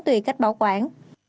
tùy cách bảo quản